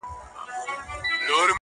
کرونا جدی وګڼی!! !